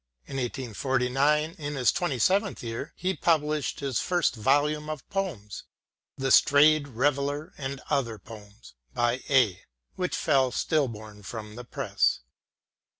In 1849, ^^^^^ twenty seventh year, he published his first volume of poems, " The Strayed Reveller, and other Poems," by A., which fell still born from the press.